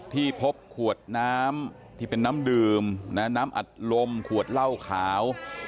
ที่พบขวดน้ำที่เป็นน้ำดื่มน้ำอัดลมขวดเหล้าขาว